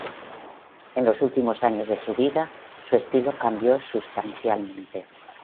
En los últimos años de su vida, su estilo cambió sustancialmente.